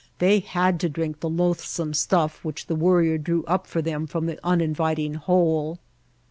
They had to drink the loathsome stufif which the Worrier drew up for them from the uninviting hole.